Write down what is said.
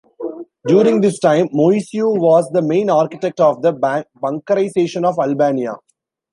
During this time Moisiu was the main architect of the bunkerisation of Albania.